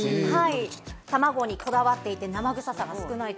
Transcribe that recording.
たまごにこだわっていて、生臭さが少ない。